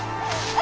あ！